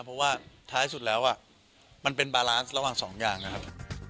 เพราะว่าท้ายสุดแล้วมันเป็นบาลานซ์ระหว่างสองอย่างนะครับ